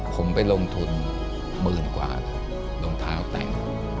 ผมไปลงทุน๑๐๐๐๐กว่าลงเท้าแต่ง